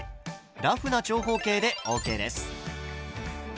ラフな長方形でＯＫです。